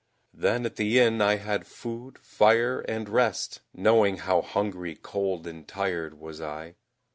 Then at the inn I had food, fire, and rest, Knowing how hungry, cold, and tired was I.